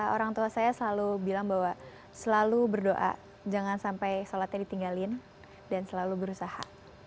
orang tua saya selalu bilang bahwa selalu berdoa jangan sampai sholatnya ditinggalin dan selalu berusaha